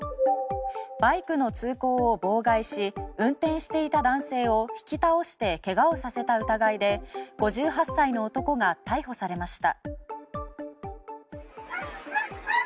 バイクの通行を妨害し運転していた男性を引き倒して怪我をさせた疑いで５８歳の男が逮捕されました。